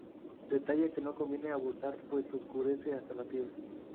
Detalla que no conviene abusar pues oscurece hasta la piel.